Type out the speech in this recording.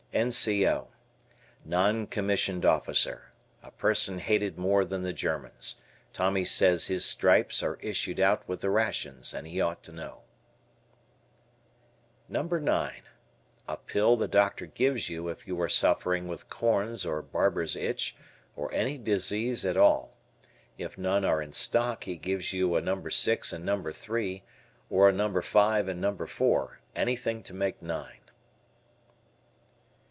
N.C.O. Non commissioned officer. A person hated more than the Germans. Tommy says his stripes are issued out with the rations, and he ought to know. "No. 9." A pill the doctor gives you if you are suffering with corns or barber's itch or any disease at all. If none are in stock, he gives you a No. 6 and No. 3, or a No. 5 and No. 4, anything to make nine.